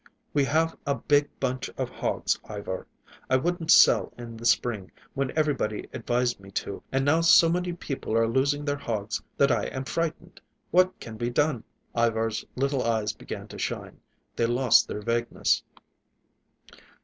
"We have a big bunch of hogs, Ivar. I wouldn't sell in the spring, when everybody advised me to, and now so many people are losing their hogs that I am frightened. What can be done?" Ivar's little eyes began to shine. They lost their vagueness.